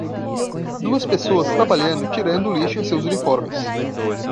Duas pessoas trabalhando tirando o lixo em seus uniformes.